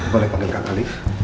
boleh panggil kak alif